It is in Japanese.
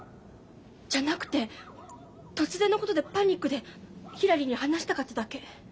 じゃなくて突然のことでパニックでひらりに話したかっただけ。